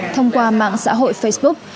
thông qua mạng xã hội facebook